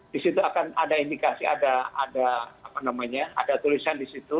di situ akan ada indikasi ada tulisan di situ